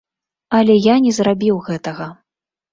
Але я не зрабіў гэтага.